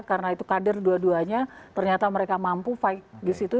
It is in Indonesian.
karena itu kader dua duanya ternyata mereka mampu fight di situ